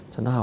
cho nó học